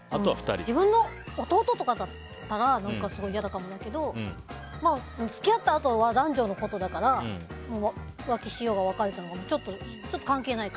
自分の弟とかだったらすごい嫌かもだけど付き合ったあとは男女のことだからもう浮気しようが別れようがちょっと、関係ない。